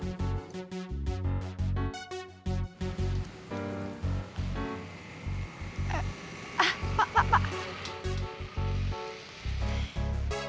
lihat apa kan siapakah ini